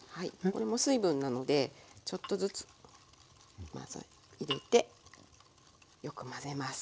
これも水分なのでちょっとずつ混ぜ入れてよく混ぜます。